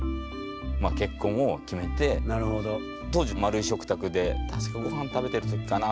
当時円い食卓で確かご飯食べてる時かな